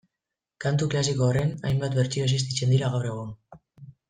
Kantu klasiko horren hainbat bertsio existitzen dira gaur egun